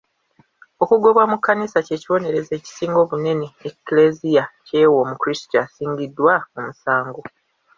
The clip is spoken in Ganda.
Okugobwa mu kkanisa ky'ekibonerezo ekisinga obunene e Kleziya ky'ewa omukrisitu asingiddwa omusango.